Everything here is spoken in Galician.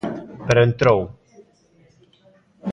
Pero entrou.